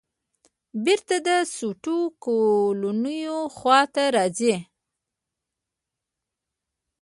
بېرته د سوټو کولونیلو خواته راځې.